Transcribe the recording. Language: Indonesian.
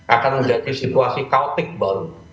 akan menjadi situasi couting baru